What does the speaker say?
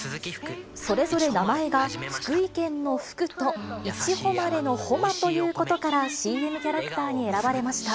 それぞれ名前が、福井県の福と、いちほまれのほまということから、ＣＭキャラクターに選ばれました。